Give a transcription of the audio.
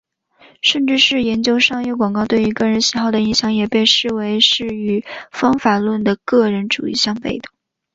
甚至是研究商业广告对于个人喜好的影响也被视为是与方法论的个人主义相背的。